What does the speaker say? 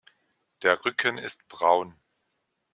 Der Rücken ist braun.